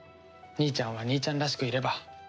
兄ちゃんは兄ちゃんらしくいれば。